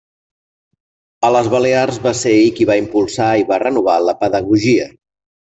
A les Balears va ser ell qui va impulsar i va renovar la pedagogia.